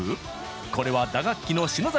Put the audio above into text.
これは打楽器の篠崎さん。